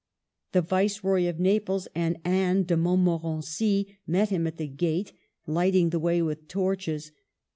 The Viceroy of Naples and Anne de Montmorency met him at the gate, lighting the way with torches.